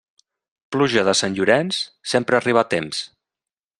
Pluja de Sant Llorenç, sempre arriba a temps.